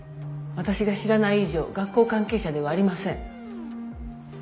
私が知らない以上学校関係者ではありません。